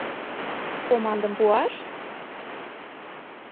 Командым пуаш?